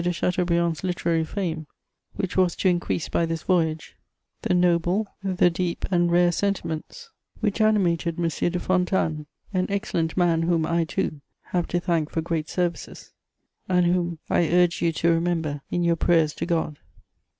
de Chateaubriand's literary fame, which was to increase by this voyage; the noble, the deep and rare sentiments which animated M. de Fontanes, an excellent man whom I, too, have to thank for great services, and whom I urge you to remember in your prayers to God."